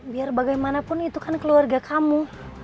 biar bagaimanapun itu kan keluarga kamu